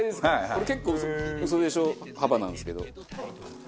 これ結構「嘘でしょ？幅」なんですけど。